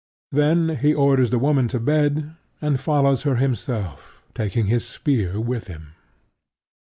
Then he orders the woman to bed, and follows her himself, taking his spear with him.